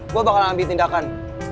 gue bakal ambil tindakan